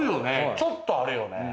ちょっとあるよね。